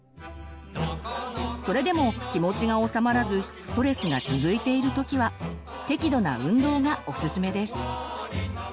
それでも気持ちがおさまらずストレスが続いている時は適度な運動がおすすめです。